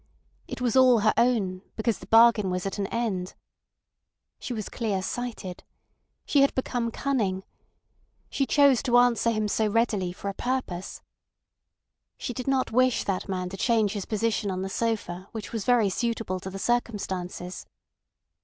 It was all her own, because the bargain was at an end. She was clear sighted. She had become cunning. She chose to answer him so readily for a purpose. She did not wish that man to change his position on the sofa which was very suitable to the circumstances.